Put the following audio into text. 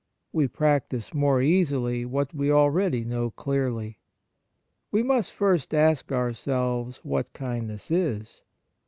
We practise more easily what we already know clearly. We must first ask ourselves what kind ness is.